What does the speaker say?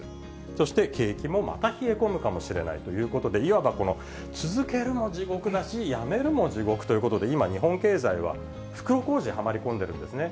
そして、景気もまた冷え込むかもしれないということで、いわば続けるのも地獄だし、やめるも地獄ということで、今、日本経済は袋小路にはまり込んでいるんですね。